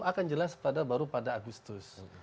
akan jelas baru pada agustus